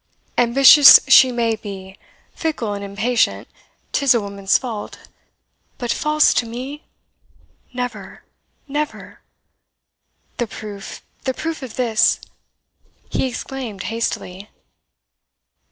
Ambitious she may be fickle and impatient 'tis a woman's fault; but false to me! never, never. The proof the proof of this!" he exclaimed hastily.